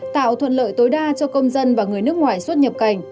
tạo thuận lợi tối đa cho công dân và người nước ngoài xuất nhập cảnh